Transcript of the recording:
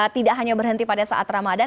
tidak hanya berhenti pada saat ramadan